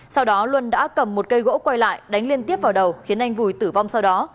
sau đó luân đã cầm một cây gỗ quay lại đánh liên tiếp vào đầu khiến anh vùi tử vong sau đó